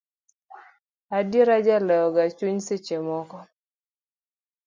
Adiera jalewo ga chuny seche moko.